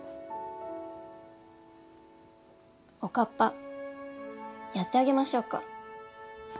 おかっぱやってあげましょうか？